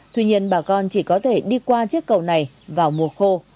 tuy nhiên bà con chỉ có thể đi qua chiếc cầu này vào mùa khô